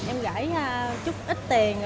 em gãy chút ít tiền